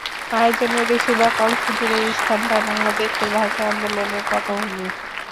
আয়োজনের বেশির ভাগ অংশ জুড়েই স্থান পায় বাংলাদেশের ভাষা আন্দোলনের পটভূমি।